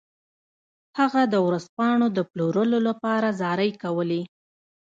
هغه د ورځپاڼو د پلورلو لپاره زارۍ کولې.